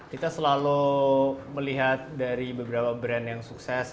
kita selalu melihat dari beberapa brand yang sukses